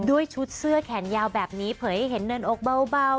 ด้วยชุดเสื้อแขนยาวแบบนี้เผยให้เห็นเนินอกเบา